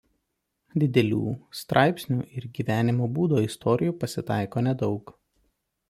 Didelių straipsnių ir gyvenimo būdo istorijų pasitaiko nedaug.